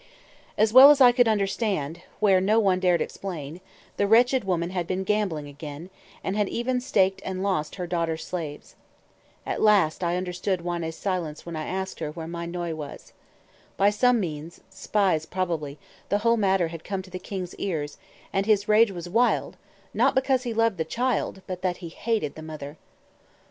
As well as I could understand, where no one dared explain, the wretched woman had been gambling again, and had even staked and lost her daughter's slaves. At last I understood Wanne's silence when I asked her where Mai Noie was. By some means spies probably the whole matter had come to the king's ears, and his rage was wild, not because he loved the child, but that he hated the mother.